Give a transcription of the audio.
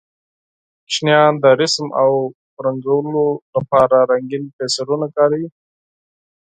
ماشومان د رسم او رنګولو لپاره رنګین پنسلونه کاروي.